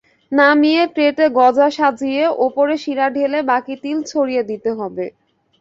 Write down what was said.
নামিয়ে ট্রেতে গজা সাজিয়ে ওপরে শিরা ঢেলে বাকি তিল ছড়িয়ে দিতে হবে।